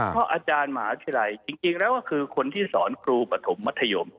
เพราะอาจารย์มหาวิทยาลัยจริงแล้วก็คือคนที่สอนครูปฐมมัธยม